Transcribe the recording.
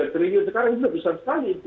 dua ratus tiga triliun sekarang itu besar sekali